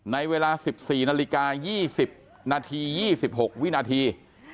ในเวลา๑๔นาฬิกา๒๐นาที๒๖วินาที